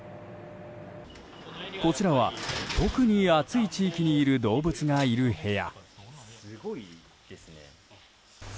こちらは特に暑い地域の動物がいる部屋。